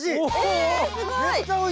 えすごい！